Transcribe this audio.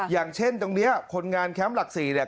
อย่างเช่นตรงนี้คนงานแคมป์หลัก๔เนี่ย